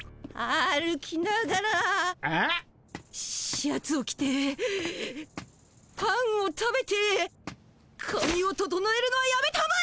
シャツを着てパンを食べてかみを整えるのはやめたまえ！